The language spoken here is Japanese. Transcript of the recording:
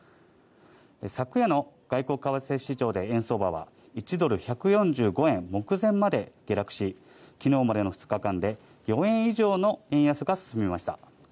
昨夜の外国為替市場で、円相場は１ドル＝１４５円目前まで下落し、昨日までの２日間で４円以上の円安が進みました。